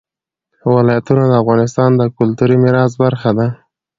ولایتونه د افغانستان د کلتوري میراث برخه ده.